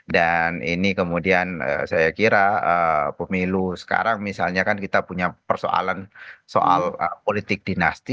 dan ini kemudian saya kira pemilu sekarang misalnya kan kita punya persoalan soal politik dinasti